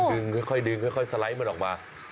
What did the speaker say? ค่อยดึงค่อยสไลด์มันออกมา